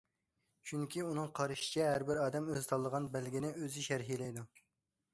چۈنكى ئۇنىڭ قارىشىچە ھەر بىر ئادەم ئۆزى تاللىغان بەلگىنى ئۆزى شەرھلەيدۇ.